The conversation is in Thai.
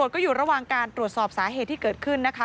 ก็อยู่ระหว่างการตรวจสอบสาเหตุที่เกิดขึ้นนะคะ